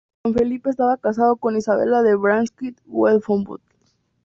Juan Felipe estaba casado con Isabel de Brunswick-Wolfenbüttel.